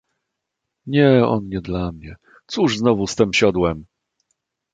"Nie, on nie dla mnie... Cóż znowu z tem siodłem!"